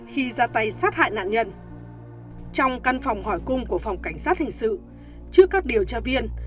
khi ra tay sát hại nạn nhân trong căn phòng hỏi cung của phòng cảnh sát hình sự trước các điều tra viên